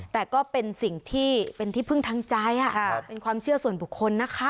แต่ก็เป็นสิ่งที่เป็นที่พึ่งทางใจเป็นความเชื่อส่วนบุคคลนะคะ